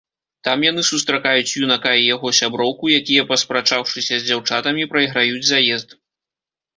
Там яны сустракаюць юнака і яго сяброўку, якія, паспрачаўшыся з дзяўчатамі, прайграюць заезд.